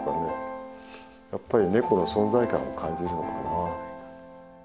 やっぱりネコの存在感を感じるのかな。